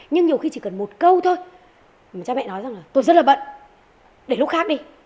nhưng nhiều khi chỉ cần một câu thôi mà cha mẹ nói rằng là tôi rất là bận để lúc khác đi